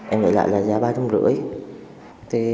em để lại là giá ba trăm linh ngàn